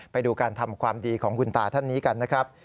ไปดูการทำความดีของคุณตาท่านนี้กันนะครับ